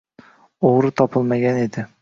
O‘g‘ri topilmagan edi